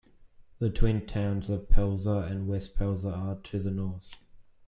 The twin towns of Pelzer and West Pelzer are to the north.